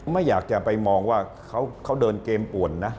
ไม่อยากจะไปมองว่าเขาเดินเกมป่วนนะ